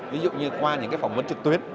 ví dụ như qua những phỏng vấn trực tuyến